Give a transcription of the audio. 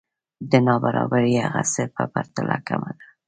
دا نابرابری هغه څه په پرتله کمه ده